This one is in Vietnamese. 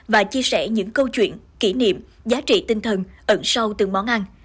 và chia sẻ những câu chuyện kỷ niệm giá trị tinh thần ẩn sâu từng món ăn